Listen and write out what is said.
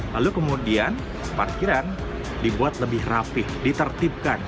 lalu kemudian parkiran dibuat lebih rapih ditertibkan